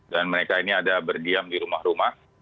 dan mereka ini ada berdiam di rumah rumah